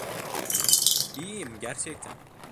İyiyim, gerçekten.